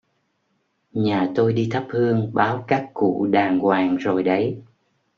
Nhà tôi đi thắp Hương báo các cụ đàng hoàng rồi đấy